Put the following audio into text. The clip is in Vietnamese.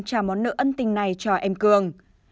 phi nhung trả món nợ ân tình này cho em cương